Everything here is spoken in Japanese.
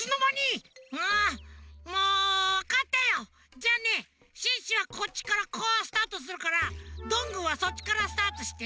じゃあねシュッシュはこっちからこうスタートするからどんぐーはそっちからスタートして。